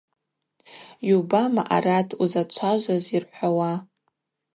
Йубама арат узачважваз йырхӏвауа?